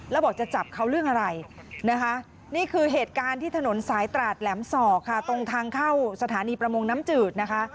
แล้วบอกจะจับเขาเรื่องอะไร